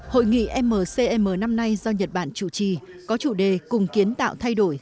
hội nghị mcm năm nay do nhật bản chủ trì có chủ đề cùng kiến tạo thay đổi